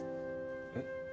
えっ？